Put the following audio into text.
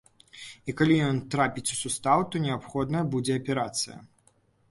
І калі ён трапіць у сустаў, то неабходная будзе аперацыя.